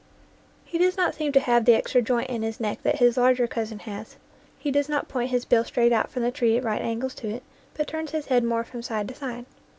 He does not seem to have the extra joint in his neck that his larger cousin has; he does not point his bill straight out from the tree at right angles to it, but turns his head more from side to side.